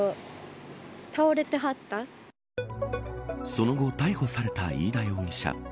その後逮捕された飯田容疑者